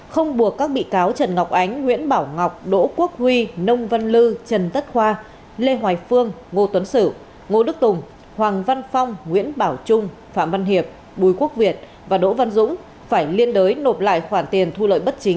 không buộc các bị cáo trần ngọc ánh nguyễn bảo ngọc đỗ quốc huy nông văn lư trần tất khoa lê hoài phương ngô tuấn sử ngô đức tùng hoàng văn phong nguyễn bảo trung phạm văn hiệp bùi quốc việt và đỗ văn dũng phải liên đối nộp lại khoản tiền thu lời bất chính hai trăm hai mươi một tỷ đồng